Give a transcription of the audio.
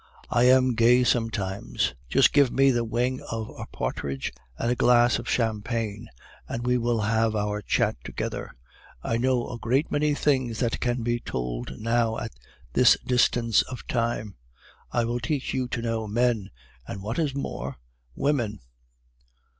I am gay sometimes. Just give me the wing of a partridge and a glass of champagne, and we will have our chat together. I know a great many things that can be told now at this distance of time; I will teach you to know men, and what is more women!